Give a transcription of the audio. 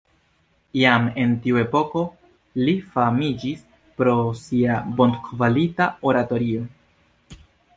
Jam en tiu epoko li famiĝis pro sia bonkvalita oratorio.